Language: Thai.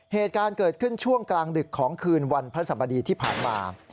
เหตุการณ์เกิดขึ้นช่วงกลางดึกของคืนวันพระสบดีที่ผ่านมา